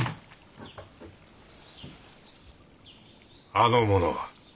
あの者は？